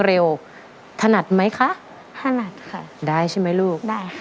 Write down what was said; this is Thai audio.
เพลงเร็วถนัดไหมคะถนัดค่ะได้ใช่ไหมลูกได้